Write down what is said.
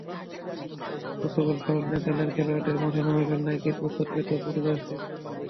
England, Portugal, France, নেদারল্যান্ডসের খেলোয়াড়েরা মাঠে নামবেন নাইকির প্রস্তুতকৃত বুট-জার্সি পরে।